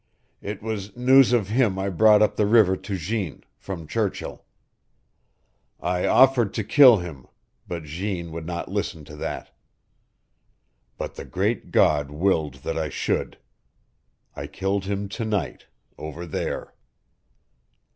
It was news of him I brought up the river to Jeanne from Churchill. I offered to kill him but Jeanne would not listen to that. But the Great God willed that I should. I killed him to night over there!"